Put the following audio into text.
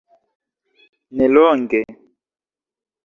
nelonge